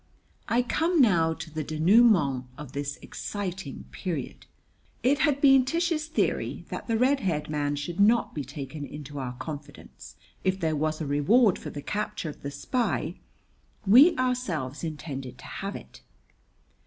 I come now to the denouement of this exciting period. It had been Tish's theory that the red haired man should not be taken into our confidence. If there was a reward for the capture of the spy, we ourselves intended to have it.